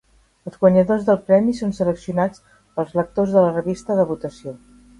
Els guanyadors del premi són seleccionats pels lectors de la revista de votació.